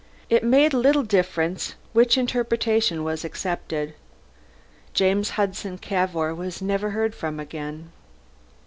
It made little difference which interpretation was accepted. James Hudson Cavour was never heard from again.